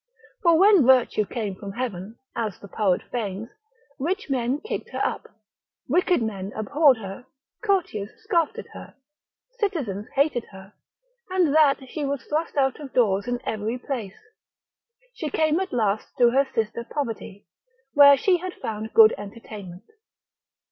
For when virtue came from heaven (as the poet feigns) rich men kicked her up, wicked men abhorred her, courtiers scoffed at her, citizens hated her, and that she was thrust out of doors in every place, she came at last to her sister Poverty, where she had found good entertainment.